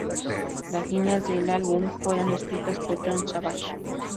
Las líneas del álbum, fueron escritas por Jon Savage.